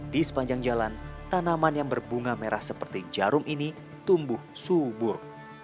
di sepanjang jalan tanaman yang berbunga merah seperti jarum ini tumbuh subur